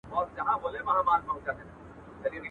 خوار چي مرور سي، د چا کره به ورسي.